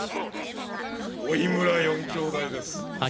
老村４兄弟です。